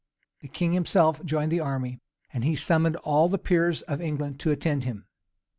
The king himself joined the army, and he summoned all the peers of England to attend him.